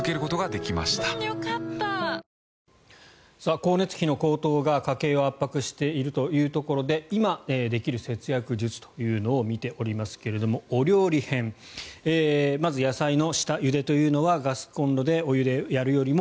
光熱費の高騰が家計を圧迫しているというところで今できる節約術というのを見ていますがお料理編まず野菜の下ゆでというのはガスコンロでお湯でやるよりも